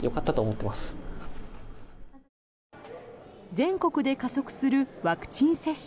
全国で加速するワクチン接種。